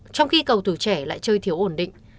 trong khi cầu tuổi trẻ lại chơi thiếu ổn định